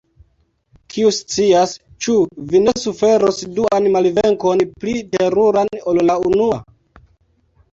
Kiu scias, ĉu vi ne suferos duan malvenkon, pli teruran ol la unua?